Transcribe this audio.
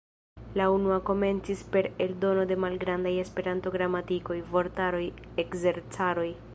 La unua komencis per eldono de malgrandaj Esperanto-gramatikoj, vortaroj, ekzercaroj.